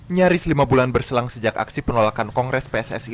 nyaris lima bulan berselang sejak aksi penolakan kongres pssi